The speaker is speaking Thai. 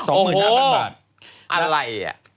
โอ้โหอะไรอ่ะ